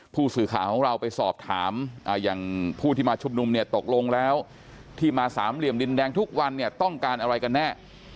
ผู้สื่อข่าวของเราไปสอบถามอย่างผู้ที่มาชุมนุมเนี่ยตกลงแล้วที่มาสามเหลี่ยมดินแดงทุกวันเนี่ยต้องการอะไรกันแน่